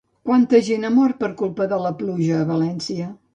Quanta gent ha mort, per culpa de la pluja, a València?